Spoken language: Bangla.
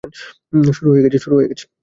শুরু হয়ে গেছে।